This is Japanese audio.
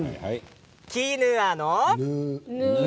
キヌアのヌ！